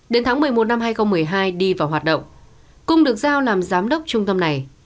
đến tháng một mươi một năm hai nghìn một mươi hai đi vào hoạt động cung được giao làm giám đốc trung tâm này